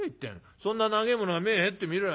そんな長えものが目ぇ入ってみろよ。